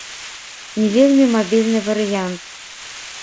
Не вельмі мабільны варыянт.